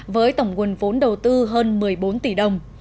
với tổng nguồn vốn đầu tư hơn một mươi bốn tỷ đồng